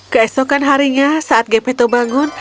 keesokan harinya saat gapito bangun